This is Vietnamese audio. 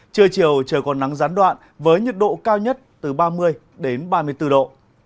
trưa chiều trời còn nắng gián đoạn với nhiệt độ cao nhất từ ba mươi đến ba mươi bốn độ